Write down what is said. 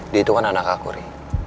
di itu kan anak aku ri